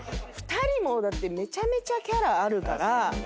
２人もめちゃめちゃキャラあるから。